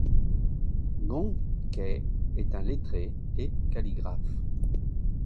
Gong Kai est un lettré et calligraphe.